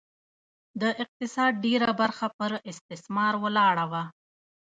د اقتصاد ډېره برخه پر استثمار ولاړه وه.